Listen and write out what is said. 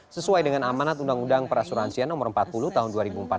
sesuai dengan amanat undang undang perasuransian no empat puluh tahun dua ribu empat belas